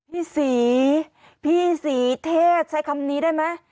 พี่ศรีพี่ศรีเทศใช้คำนี้ได้ไหม